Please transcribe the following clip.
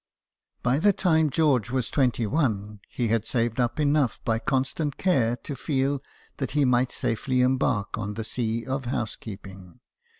By the time George was twenty one, he had saved up enough by constant care to feel that he might safely embark on the sea of house keeping.